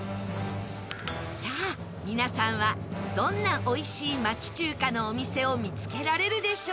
さあ皆さんはどんなおいしい町中華のお店を見付けられるでしょう？